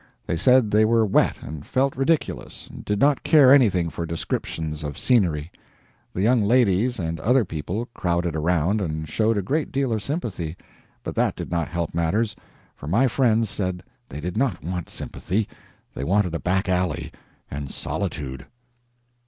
They said they were wet and felt ridiculous and did not care anything for descriptions of scenery. The young ladies, and other people, crowded around and showed a great deal of sympathy, but that did not help matters; for my friends said they did not want sympathy, they wanted a back alley and solitude.